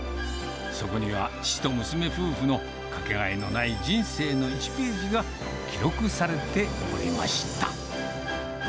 そこには父と娘夫婦の掛けがえのない人生の１ページが記録されておりました。